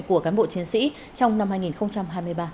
của cán bộ chiến sĩ trong năm hai nghìn hai mươi ba